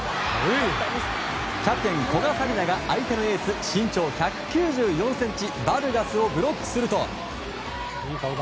キャプテン、古賀紗理那が相手のエース、身長１９４ｃｍバルガスをブロックすると。